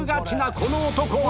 この男は